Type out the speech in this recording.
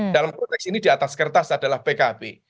dalam konteks ini di atas kertas adalah pkb